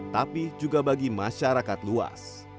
tapi juga bagi masyarakat luas